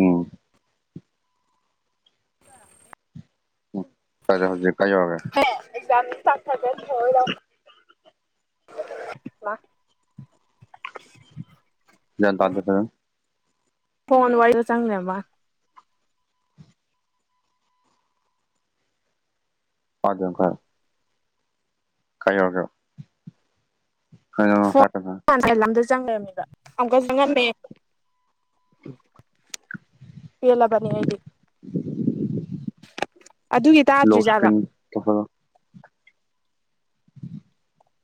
ꯎꯝ ꯎꯝ ꯄꯔꯦꯝ ꯍꯧꯖꯤꯛ ꯀꯥꯏ ꯌꯧꯔꯒꯦ ꯑꯦꯛꯖꯥꯝ ꯅꯤꯟ ꯆꯥꯛ ꯐꯒ꯭ꯔꯥ ꯊꯣꯉꯩꯂ꯭ꯕ ꯂꯧ ꯒ꯭ꯌꯥꯟ ꯇꯥꯟ ꯐꯖꯔꯪ ꯐꯣꯟ ꯋꯥꯔꯤꯁꯨ ꯆꯪ ꯅꯩꯔꯝꯕ꯭ꯋꯥꯟ ꯄꯗꯨꯌꯥꯝ ꯈꯥ ꯍꯥꯏꯔꯣ ꯀꯥꯏꯌꯧꯔꯒ꯭ꯌꯣ ꯈꯥꯏꯌꯧꯔ [unintelligible] ꯄꯥꯟ ꯁꯌꯦ ꯂꯝꯗꯨ ꯆꯪ ꯂꯩꯔꯝꯃꯤꯕ ꯑꯃꯨꯛꯀꯁꯨ ꯆꯪꯉꯝꯃꯦ ꯄꯦꯜꯂꯕꯥꯅꯤ ꯑꯩꯗꯤ ꯑꯗꯨꯒꯤ ꯇꯥꯗ꯭ꯔꯤꯖꯥꯠꯂ ꯄꯐꯦꯂꯣ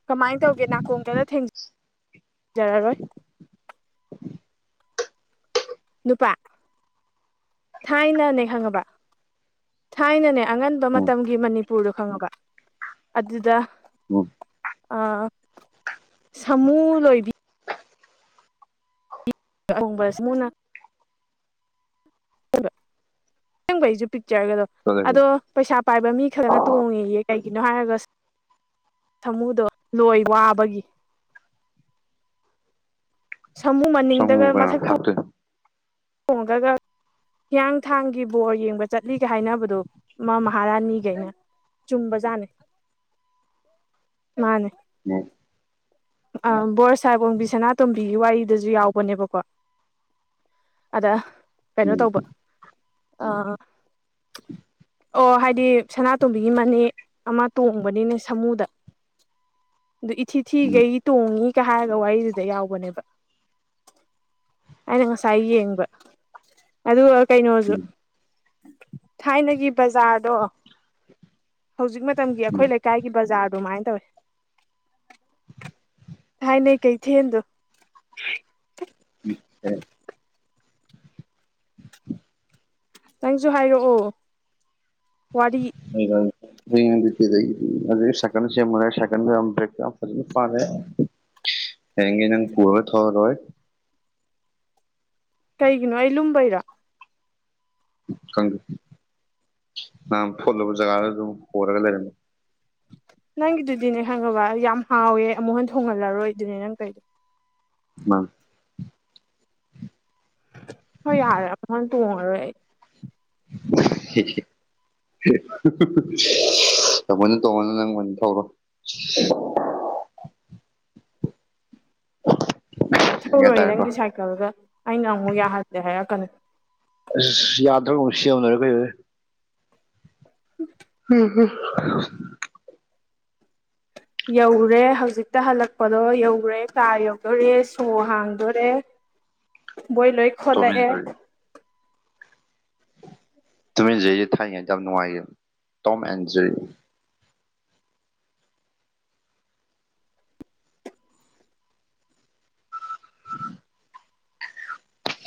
ꯀꯃꯥꯏꯟ ꯇꯧꯒꯦ ꯅꯥꯀꯣꯡꯖꯗ ꯊꯦꯡꯖ ꯖꯔꯔꯣꯏ ꯅꯨꯄꯥ ꯊꯥꯏꯅꯅꯦ ꯈꯪꯉꯕ ꯊꯥꯏꯅꯅꯦ ꯑꯉꯟꯕ ꯎꯝ ꯃꯇꯝꯒꯤ ꯃꯅꯤꯄꯨꯔꯗꯣ ꯈꯪꯉꯕ ꯑꯗꯨꯗ ꯎꯝ ꯑ ꯁꯥꯃꯨ ꯂꯣꯏꯕꯤ ꯑ ꯑ ꯍꯣꯡꯕ ꯁꯤ ꯃ꯭ꯨꯔꯅ ꯆꯜꯕ ꯑꯦꯡꯕꯩꯖꯨ ꯄꯤꯛꯆ꯭ꯔꯒꯗꯣ ꯆꯠꯂꯦ ꯑꯗꯣ ꯄꯩꯁꯥ ꯄꯥꯏꯕ ꯃꯤ ꯈꯥꯔꯅ ꯇꯣꯡꯉꯦꯌꯦ ꯀꯩꯒꯤꯅꯣ ꯍꯥꯏꯔꯒꯁ ꯊꯃꯨꯗꯣ ꯂꯣꯏ ꯋꯥꯕꯒꯤ ꯁꯝꯃꯨ ꯃꯟ__ ꯁꯃꯨꯕꯨ ꯀꯅꯥꯅꯥ ꯊꯥꯛꯇꯨꯢꯅꯣ ꯇꯣꯡꯉꯥꯒ ꯍꯤꯌꯥꯡꯊꯥꯡꯒꯤ ꯕꯣꯔ ꯌꯦꯡꯕ ꯆꯠꯂꯤꯒ ꯍꯥꯏꯅꯕꯗꯣ ꯑꯃꯥ ꯃꯍꯥꯔꯥꯅꯤ ꯒꯩꯅꯣꯅ ꯆꯨꯝꯕꯖꯥꯠꯅꯦ ꯃꯥꯅꯦ ꯎꯣꯏ [inaudible] ꯑ ꯕꯣꯔ ꯁꯥꯍꯦꯕ ꯑꯣꯡꯕꯤ ꯁꯅꯥꯇꯣꯝꯕꯤꯒꯤ ꯋꯥꯔꯤꯗꯁꯨ ꯌꯥꯎꯕꯅꯦꯕꯀꯣ ꯑꯗꯥ ꯀꯩꯅꯣ ꯎꯝ ꯇꯧꯕ ꯑ ꯑꯣ ꯍꯥꯏꯗꯤ ꯁꯅꯥꯇꯣꯝꯕꯤꯒꯤ ꯃꯅꯦ ꯑꯃ ꯇꯣꯡꯕꯅꯤꯅꯦ ꯁꯥꯃꯨꯗ [unintelligible] ꯑꯗꯨ ꯏꯊꯤ ꯎꯝ ꯊꯤꯈꯩ ꯇꯣꯡꯉꯤꯒ ꯍꯥꯏꯔꯒ ꯋꯥꯔꯤꯗꯨꯗ ꯌꯥꯎꯕꯅꯦꯕ ꯑꯩꯅ ꯉꯁꯥꯏ ꯌꯦꯡꯕ ꯑꯗꯨꯒ ꯀꯩꯅꯣꯁꯨ ꯎꯝ ꯊꯥꯏꯅꯒꯤ ꯕꯖꯥꯔꯗꯣ ꯍꯧꯖꯤꯛ ꯃꯇꯝꯒꯤ ꯑꯩꯈꯣꯏ ꯎꯝ ꯂꯩꯀꯥꯏꯒꯤ ꯕꯖꯥꯔ ꯑꯗꯨꯃꯥꯏꯅ ꯇꯧꯋꯦ ꯊꯥꯏꯅꯩ ꯀꯩꯊꯦꯟꯗꯣ ꯎꯦ [unintelligible] ꯅꯪꯁꯨ ꯍꯥꯏꯔꯛꯑꯣ ꯋꯥꯔꯤ ꯍꯒ [inaudible] ꯑꯗꯨꯗꯒꯤ ꯁꯥꯏꯀꯟꯅ ꯆꯦꯟꯕꯅꯤ ꯁꯥꯏꯀꯟꯗꯣ ꯕ꯭ꯔꯦꯛ ꯌꯥꯎꯇꯕꯒꯤ ꯐꯔꯦ ꯍꯌꯦꯡꯒꯩ ꯅꯪ ꯄꯨꯔꯣꯏ ꯊꯥꯎꯔꯔꯣꯏ ꯀꯩꯒꯤꯅꯣ ꯑꯩ ꯂꯨꯝꯕꯩꯔ ꯈꯪꯗꯦ ꯅꯍꯟ ꯐꯣꯜꯂꯨꯕ ꯖꯒꯥꯗ ꯑꯃꯨꯛ ꯍꯣꯔꯒ ꯂꯩꯔꯝꯃꯦ ꯅꯪꯒꯤꯗꯨꯗꯤꯅꯦ ꯈꯪꯉꯕ ꯌꯥꯝ ꯍꯥꯎꯋꯦ ꯑꯃꯨꯛ ꯍꯟ ꯊꯣꯡꯍꯜꯂꯔꯣꯏ ꯗꯨꯅꯦ ꯅꯪ ꯇꯧꯔꯤꯗꯣ ꯃꯥꯅꯦ ꯍꯣꯏ ꯌꯔꯦ ꯑꯃꯨꯛ ꯍꯟꯅ ꯇꯣꯡꯉꯔꯣꯏ ꯑꯩ ꯍꯦ ꯍꯦ [inaudible] ꯑꯃꯨꯛꯍꯟ ꯇꯣꯡꯉꯅꯨ ꯅꯪ ꯑꯣꯏꯅ ꯊꯧꯔꯣ [inaudible] ꯒ꯭ꯌꯥꯟ ꯊꯧꯔꯣꯏ ꯇꯥꯔꯦꯀꯣ ꯅꯪꯒꯤ ꯁꯥꯏꯀꯜꯒ ꯑꯩꯅ ꯑꯃꯨꯛ ꯌꯥꯍꯜꯗꯦ ꯍꯥꯏꯔꯛꯀꯅꯤ ꯑꯁ ꯌꯥꯗ꯭ꯔꯒ ꯑꯃꯨꯛ ꯁꯦꯝꯃ ꯂꯣꯏꯔꯦ ꯀꯩꯅꯣꯅꯦ ꯎꯝ [inaudible] ꯎꯝꯝ [inaudible] ꯌꯧꯔꯦ ꯍꯧꯖꯤꯛꯇ ꯍꯜꯂꯛꯄꯗꯣ ꯌꯧꯔꯦ ꯀꯥ ꯌꯧꯗꯣꯔꯦ ꯁꯣ ꯍꯥꯡꯗꯣꯔꯦ [unintelligible] ꯕꯣꯏ ꯂꯣꯏ ꯇꯣꯝ ꯈꯣꯠꯂꯛꯑꯦ ꯑꯦꯟ ꯇꯨꯃꯦꯟ ꯖꯦꯔꯤꯁꯦ ꯊꯥꯏꯉꯩ ꯌꯥꯝ ꯅꯨꯡꯉꯥꯏꯈꯤꯕꯅꯦ ꯇꯣꯝ ꯑꯦꯟ ꯖꯦꯔꯤ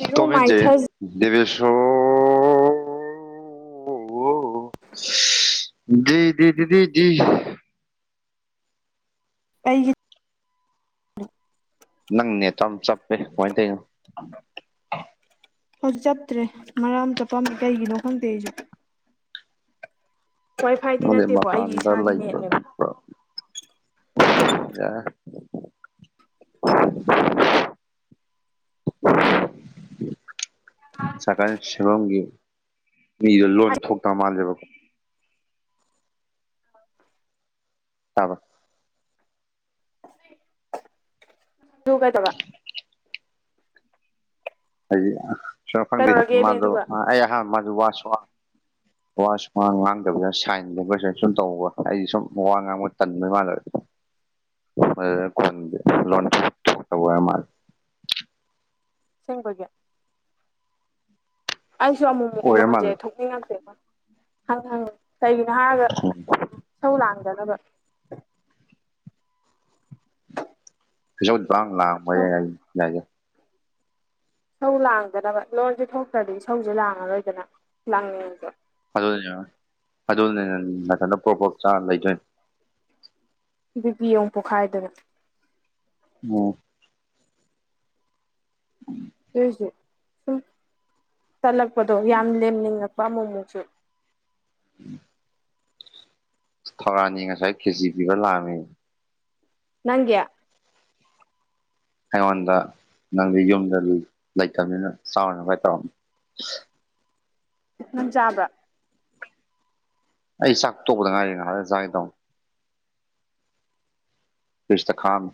ꯏꯔꯨ ꯇꯣꯃꯦ ꯖꯦꯔꯤ ꯃꯥꯏꯊꯖ ꯗꯦꯕꯦꯁꯣ [inaudible] ꯗꯤ ꯗꯤ ꯗꯤ ꯗꯤ ꯑꯩꯒꯤ ꯅꯪ ꯅꯦꯠ ꯇꯣ ꯌꯥꯝ ꯆꯠꯄꯦ ꯀꯃꯥꯏꯅ ꯇꯧꯔꯤꯅꯣ ꯍꯧꯖꯤꯛ ꯆꯠꯇ꯭ꯔꯦ ꯃꯔꯥꯡ ꯑꯃ ꯆꯠꯄꯝꯃꯤ ꯀꯩꯒꯤꯅꯣ ꯈꯪꯗꯦ ꯑꯩꯁꯨ ꯋꯥꯏ ꯐꯥꯏꯗꯤ ꯃ ꯅꯠꯇꯦꯀꯣ ꯑꯩꯒꯤ ꯃꯄꯥꯟꯗꯔ ꯏꯁꯥꯒꯤ ꯂꯩꯕ ꯅꯦꯠꯅꯦꯕ ꯊꯨꯞꯄ ꯌꯔꯦ [inaudible] [inaudible] [inaudible] ꯁꯥꯢꯀꯥꯜ ꯁꯦꯝꯐꯝꯒꯤ ꯃꯤꯗꯣ ꯂꯣꯟ ꯊꯣꯛꯇꯕ ꯃꯥꯜꯂꯦꯕꯀꯣ ꯇꯥꯕꯔꯥ ꯑꯗꯣ ꯀꯩꯗꯧꯕ ꯍꯥꯏꯗꯤ ꯁ ꯈꯪꯗꯦ ꯀꯩꯗꯧꯔꯒꯦꯃꯤ ꯃꯥꯗꯣ ꯑꯗꯨꯒ ꯑꯩ ꯑꯍ ꯃꯥꯁꯨ ꯋꯥꯁꯨ [inaudible] ꯋꯥ ꯁꯨ ꯋꯥ ꯉꯥꯡꯗꯕꯗꯅ ꯁꯥꯏꯟ ꯂꯦꯡꯒ꯭ꯋꯦꯖ ꯁꯨꯝ ꯇꯧꯕꯧꯕ ꯑꯩꯗꯤ ꯁꯨꯝ ꯋꯥ ꯉꯥꯡꯕ ꯇꯟꯕꯩ ꯃꯥꯟꯂꯨꯔꯦ [inaudible] ꯑꯗꯨꯗ ꯀꯣꯟꯗꯗꯤ ꯂꯣꯟ ꯊꯣꯛꯇꯕ ꯑꯣꯏꯔ ꯃꯥꯜꯂꯦ [inaudible] ꯁꯦꯡꯕꯒꯤ ꯑꯩꯁꯨ ꯑꯃꯨꯛꯃꯨꯛ ꯑꯣꯏꯔ ꯂꯣꯟꯁꯦ ꯃꯥꯜꯂꯦ ꯊꯣꯛꯅꯤꯡꯉꯛꯇꯦꯕ ꯍꯪ ꯍꯪ ꯀꯩꯒꯤꯅꯣ ꯍꯥꯏꯔꯒ ꯏꯁꯧ ꯂꯥꯡꯗꯅꯕ ꯏꯁꯧꯕꯨ ꯄꯪꯂꯥꯡ ꯂꯥꯡꯕ ꯏꯁꯧ ꯌꯥꯏ ꯏꯁꯧ ꯂꯥꯡꯗꯅꯕ ꯂꯣꯟꯁꯦ ꯊꯣꯛꯇ꯭ꯔꯗꯤ ꯏꯁꯧꯁꯦ ꯂꯥꯡꯉꯔꯣꯏꯗꯅ ꯂꯥꯡꯅꯤꯡꯉꯁꯨ ꯑꯗꯨꯗꯤ ꯑꯗꯨꯗꯤ ꯅꯊꯟꯗ ꯄ꯭ꯔꯣꯛ ꯄ꯭ꯔꯣꯛ ꯆꯛꯑꯒ ꯂꯩꯗꯣꯏꯅꯦ ꯕꯤ ꯄꯤ ꯑꯣꯏꯅ ꯄꯣꯛꯈꯥꯏꯗꯅ ꯑꯣ ꯎꯝ ꯑꯗꯨꯏꯁꯨ ꯁꯨꯝ ꯇꯜꯂꯛꯄꯗꯣ ꯌꯥꯝ ꯂꯦꯝꯅꯤꯡꯉꯛꯄ ꯑꯃꯨꯛꯃꯨꯛꯁꯨ ꯎꯝ ꯊꯧꯔꯥꯅꯤ ꯉꯁꯥꯏ ꯈꯩꯆꯤ ꯄꯤꯕ ꯂꯥꯛꯑꯝꯃꯦ ꯅꯪꯒꯤ ꯑꯩꯉꯣꯟꯗ ꯅꯪꯗꯤ ꯌꯨꯝꯗ ꯂꯩꯇꯕꯅꯤꯅ ꯆꯥꯎꯔꯅꯨ ꯀꯥꯏ ꯇꯧꯔꯝꯃꯤ ꯅꯪ ꯆꯥꯕ꯭ꯔꯥ ꯑꯩ ꯆꯥꯛ ꯇꯣꯛꯗ ꯉꯥꯏꯔꯤꯅ ꯍꯣꯔꯦꯟ ꯆꯒꯤꯗꯧꯅꯦ ꯐ꯭ꯔꯤꯖꯗ ꯈꯥꯛ ꯑꯝꯃꯦ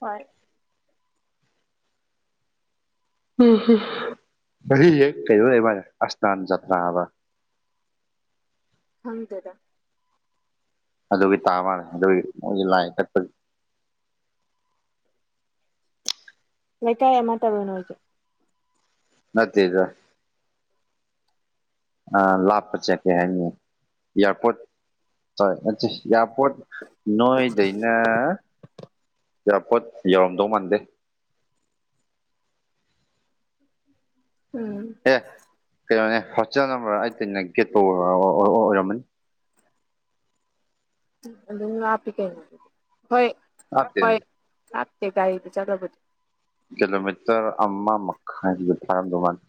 ꯍꯣꯏ ꯉꯁꯤꯁꯦ ꯀꯩꯅꯣ ꯂꯩꯕ ꯃꯥꯜꯂꯦ ꯑꯁꯅꯥꯟ ꯖꯇ꯭ꯔꯥ ꯈꯪꯗꯦꯗ ꯑꯗꯨꯒꯤ ꯇꯥꯕ ꯑꯗꯨꯒꯤ ꯂꯥꯏ ꯀꯠꯄꯒꯤ ꯂꯩꯀꯥꯏ ꯑꯃꯇꯔꯣ ꯅꯣꯏꯁꯦ ꯅꯠꯇꯦꯗ ꯑ ꯂꯥꯞꯄ ꯆꯠꯇꯦ ꯍꯥꯏꯕꯅꯦ ꯏꯌꯥꯔꯄꯣꯔꯠ ꯍꯣꯏ ꯄꯣꯠ ꯅꯣꯏꯗꯩꯅ ꯏꯌꯥꯔꯄꯣꯔꯠ ꯌꯧꯔꯝꯗꯧ ꯃꯥꯟꯗꯦ ꯎꯝ ꯑꯦ ꯀꯩꯅꯣꯅꯦ ꯍꯣꯁꯇꯦꯜ ꯅꯝꯕꯔ ꯑꯩꯠꯇꯩꯅꯅ ꯒꯦꯠꯐꯥꯎ ꯑꯣꯏ ꯑꯣꯏꯔꯝꯃꯅꯤ ꯑꯗꯨꯝ ꯂꯥꯞꯄꯤ ꯀꯩꯅꯣ ꯑꯗꯨꯗꯤ ꯍꯣꯏ ꯍꯣꯏ ꯂꯥꯞꯇꯦ ꯂꯥꯞꯇꯦ ꯒꯥꯔꯤꯗ ꯆꯠꯂꯕꯨꯗꯤ ꯀꯤꯂꯣꯃꯤꯇ꯭ꯔ ꯑꯃ ꯃꯈꯥꯏꯗꯤ ꯐꯥꯔꯝꯗꯧ ꯃꯟꯗꯦ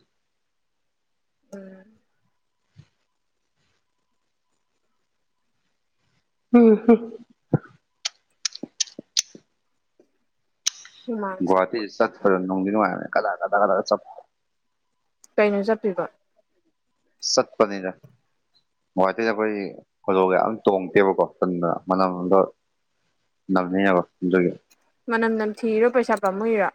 ꯎꯝ ꯎꯝ ꯍꯝ ꯍꯨꯃꯥꯡ ꯒꯨꯋꯥꯍꯥꯇꯤ ꯁꯧꯕ ꯆꯠꯄꯗ ꯅꯨꯡꯗꯤ ꯅꯨꯡꯉꯥꯏ ꯀꯗꯥ ꯀꯗꯥ ꯀꯗꯥ ꯀꯆꯠꯄ ꯀꯩꯅꯣ ꯆꯠꯇꯣꯏꯕ ꯆꯠꯄꯅꯤꯗ ꯒꯨꯋꯥꯍꯥꯇꯤꯗ ꯑꯩꯈꯣꯏ ꯈꯨꯗꯣꯜꯒ ꯌꯥꯝ ꯇꯣꯡꯗꯦꯕꯀꯣ ꯇꯟꯗꯅ ꯃꯅꯝꯒ ꯑꯗꯨꯒꯤ ꯃꯅꯝ ꯅꯝꯊꯤꯔꯤꯔ ꯄꯩꯁꯥ ꯄꯥꯝꯃꯨꯏꯔꯣ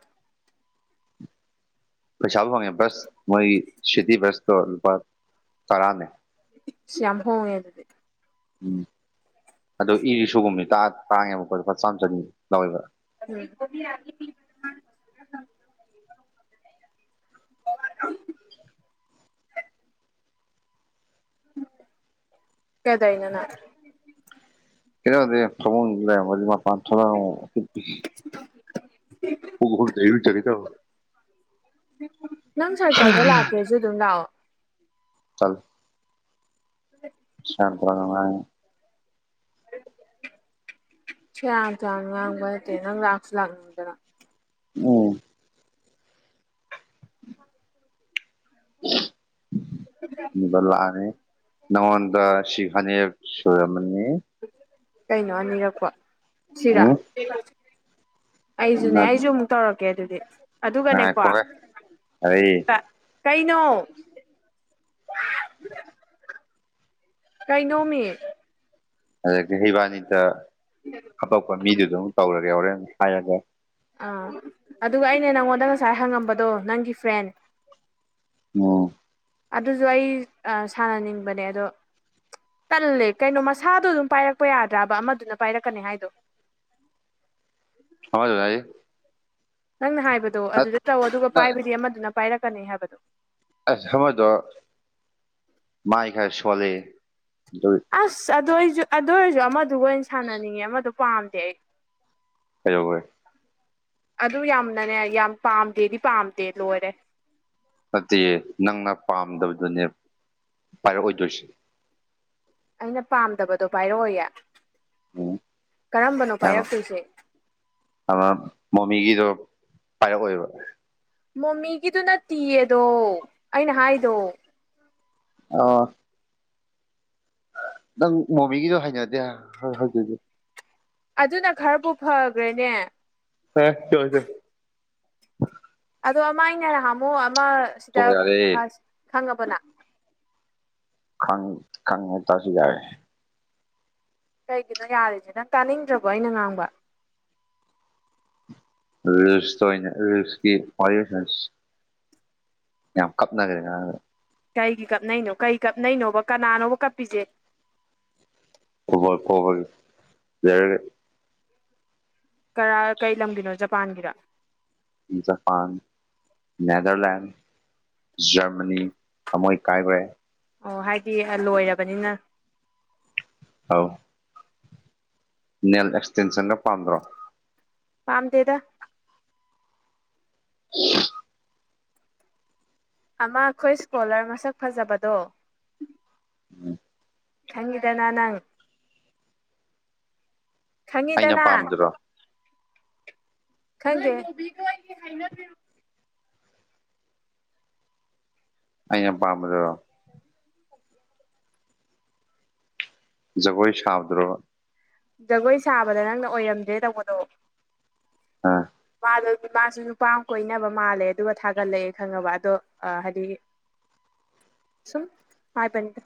ꯄꯩꯁꯥꯕꯨ ꯐꯪꯉꯦ ꯕꯁ ꯃꯣꯏ ꯁꯤꯇꯤ ꯕꯁꯇꯣ ꯂꯨꯄꯥ ꯇꯔꯥꯅꯦ ꯑꯁ ꯌꯝ ꯍꯣꯡꯉꯦꯅꯦ ꯎꯝ ꯑꯗꯨ ꯏꯔꯤꯛꯁꯣꯒꯨꯝꯕꯗꯤ ꯇꯥꯡꯉꯦꯕꯀꯣ ꯂꯨꯄꯥ ꯆꯥꯝꯃ ꯆꯅꯤ ꯂꯧꯏ ꯎꯝ ꯀꯩꯗꯧꯏꯔꯤꯅꯣ ꯅꯪ [unintelligible] ꯃꯄꯥꯟ ꯊꯣꯛꯂꯛꯑꯒ ꯎ ꯈꯨꯡꯎꯨꯞ ꯂꯩꯕ ꯆꯠꯀꯦ ꯇꯧꯕ ꯆꯠꯂꯨ ꯂꯥꯛꯑꯣ ꯇꯜꯂꯦ ꯑ [unintelligible] ꯁꯦꯔꯥꯟ ꯇꯨꯔꯥꯟ ꯉꯥꯡꯕ ꯅꯠꯇꯦ ꯅꯪ ꯂꯥꯛꯁꯨ ꯂꯥꯛꯅꯤꯡ ꯎꯝ ꯑꯗꯨ ꯑꯗꯨꯒ ꯂꯥꯛꯑꯅꯤ ꯅꯪꯉꯣꯟꯗ ꯁꯤ ꯐꯅꯦꯛ ꯁꯣꯏꯨꯔꯝꯃꯅꯤ ꯀꯩꯅꯣ ꯑꯅꯤꯔꯛꯄ ꯁꯤꯔ ꯎꯝ ꯑꯩꯁꯨꯅꯦ ꯑꯩꯁꯨ ꯑꯃꯨꯛ ꯇꯧꯔꯛꯀꯦ ꯑꯗꯨꯗꯤ ꯑꯗꯨꯒꯅꯦꯀꯣ ꯉꯥꯏꯈꯣꯍꯦ ꯑꯩ ꯀꯩꯅꯣ ꯀꯩꯅꯣꯃꯤ ꯑꯗꯒꯤ ꯍꯩꯕꯥꯅꯤꯗ ꯍꯥꯇꯛꯄ ꯃꯤꯗꯨ ꯑꯗꯨꯝ ꯇꯧꯔꯒꯦ ꯍꯣꯔꯦꯟꯅ ꯍꯥꯏꯔꯒ ꯑꯥ ꯑꯗꯨꯒ ꯑꯩꯅ ꯅꯪꯉꯣꯟꯗ ꯉꯁꯥꯏ ꯍꯪꯉꯝꯕꯗꯣ ꯅꯪꯒꯤ ꯐ꯭ꯔꯦꯟ ꯑꯣ ꯑꯗꯨꯁꯨ ꯑꯩ ꯁꯥꯟꯅꯅꯤꯡꯕꯅꯦ ꯑꯗꯣ ꯀꯜꯂꯦ ꯀꯩꯅꯣ ꯃꯁꯥꯗꯣ ꯑꯗꯨꯝ ꯄꯥꯏꯔꯛꯄ ꯌꯥꯗ꯭ꯔꯥꯕ ꯑꯃꯗꯨꯅ ꯄꯥꯏꯔꯛꯀꯅꯤ ꯍꯥꯏꯗꯣ ꯍ ꯑꯗꯨꯣꯏꯚꯥꯏ ꯅꯪꯅ ꯍꯥꯏꯕꯗꯣ ꯑꯗꯨꯗ ꯇꯧ ꯑꯗꯨꯒ ꯅꯠ ꯄꯥꯏꯕꯗꯤ ꯑꯃꯗꯨꯅ ꯄꯥꯏꯔꯛꯀꯅꯤ ꯍꯥꯏꯕꯗꯣ ꯑꯁ ꯊꯃꯣꯏꯗꯣ ꯃꯥꯏ ꯈꯔ ꯁꯣꯜꯂꯤ ꯑꯗꯨ ꯑꯁ ꯑꯗꯨ ꯑꯣꯏꯔꯁꯨ ꯑꯗꯨ ꯑꯣꯏꯔꯁꯨ ꯑꯃꯗꯨ ꯑꯣꯏꯅ ꯁꯥꯟꯅꯅꯤꯡꯉꯦ ꯑꯃꯗ ꯄꯥꯝꯗꯦ ꯑꯩ ꯀꯩꯧꯦ ꯑꯗꯨ ꯌꯥꯝꯅꯅꯦ ꯌꯥꯝ ꯄꯥꯝꯗꯦꯗꯤ ꯄꯥꯝꯗꯦ ꯂꯣꯏꯔꯦ ꯅꯠꯇꯦ ꯅꯪꯅ ꯄꯥꯝꯗꯕꯗꯨꯅꯦ ꯄꯥꯏꯔꯛꯑꯣꯏꯗꯣꯏꯁꯦ ꯑꯩꯅ ꯄꯥꯝꯗꯕꯗꯣ ꯄꯥꯏꯔꯛꯑꯣꯌꯦ ꯎꯝ ꯀꯔꯝꯕꯅꯣ ꯄꯥꯏꯔꯛꯇꯣꯏꯁꯦ ꯑꯗꯨ ꯃꯣꯃꯤꯒꯤꯗꯣ ꯄꯥꯏꯔꯛꯑꯣꯏꯕ ꯃꯣꯃꯤꯒꯤꯗꯨꯅ ꯇꯤꯌꯦꯗꯣ ꯑꯩꯅ ꯍꯥꯏꯗꯣ ꯑꯣ ꯅꯪ ꯃꯣꯃꯤꯒꯤꯗꯣ ꯍꯩꯅꯗꯦ ꯍꯧꯖꯤꯛꯖꯤꯛ ꯑꯗꯨꯅ ꯈꯔꯕꯨ ꯐꯈ꯭ꯔꯦꯅꯦ ꯍ ꯆꯣꯏꯗ ꯑꯗꯣ ꯑꯃ ꯑꯩꯅ ꯍꯥꯃꯣ ꯑꯃ ꯁꯤꯗ ꯇꯣꯛꯑꯣ ꯌꯥꯔꯦ ꯈꯪꯉꯕꯅ ꯈꯪꯉꯦꯇꯥꯁꯨ ꯌꯥꯔꯦ ꯀꯩꯒꯤꯅꯣ ꯌꯥꯔꯤꯁꯦ ꯅꯪ ꯇꯥꯅꯤꯡꯗ꯭ꯔꯕꯣ ꯑꯩꯅ ꯉꯥꯡꯕ ꯔꯤꯜꯁ ꯇꯩꯅꯔꯤꯁꯁꯟ ꯌꯥꯝ ꯀꯞꯅꯒꯔ ꯀꯩꯒꯤ ꯀꯞꯅꯩꯅꯣ ꯀꯩ ꯀꯞꯅꯩꯅꯣꯕ ꯀꯅꯥꯅꯣꯕ ꯀꯞꯄꯤꯁꯦ ꯀꯕ ꯀꯣꯕꯜ ꯀꯔ ꯀꯩ ꯂꯝꯒꯤꯅꯣ ꯖꯄꯥꯟꯒꯤꯗ ꯖꯄꯥꯟ ꯅꯦꯗꯔꯂꯦꯟ ꯖꯔꯃꯅꯤ ꯊꯣꯏ ꯀꯥꯏꯈꯨꯔꯦ ꯑꯣ ꯍꯥꯏꯗꯤ ꯂꯣꯏꯔꯕꯅꯤꯅ ꯍꯥꯎ ꯅꯦꯜ ꯑꯦꯛꯁꯇꯦꯟꯁꯟꯒ ꯄꯥꯟꯗ꯭ꯔꯣ ꯄꯥꯝꯗꯦꯗ ꯑꯣ ꯑꯃ ꯑꯩꯈꯣꯏ ꯏꯁꯀꯣꯂꯔ ꯃꯁꯛ ꯐꯖꯕꯗꯣ ꯎꯝ ꯍꯪꯗ ꯅꯥꯟꯪ ꯑꯩꯅ ꯈꯪꯉꯤꯗꯅ ꯄꯥꯝꯕꯗꯨꯔꯣ ꯈꯪꯦ ꯑꯩ ꯄꯥꯝꯕꯗꯔꯣ ꯖꯒꯣꯏ ꯁꯥꯕꯗ꯭ꯔꯣ ꯖꯒꯣꯏ ꯁꯥꯕꯗ ꯅꯪꯅ ꯑꯣꯏꯔꯝꯗ꯭ꯔꯦ ꯇꯧꯕꯗꯣ ꯑ ꯃꯥꯗꯣ ꯃꯥꯁꯨ ꯅꯨꯄꯥ ꯀꯣꯏꯅꯕ ꯃꯥꯜꯂꯦ ꯑꯗꯨꯒ ꯊꯥꯒꯠꯂꯛꯑꯦ ꯈꯪꯉꯕ ꯑꯗꯣ ꯍꯥꯏꯗꯤ [inaudible] ꯁꯨꯝ ꯍꯥꯏ ꯄꯅꯤꯗ